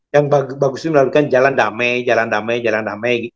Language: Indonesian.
yang bagus melalukan jalan damai jalan damai jalan damai